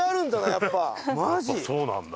やっぱそうなんだ。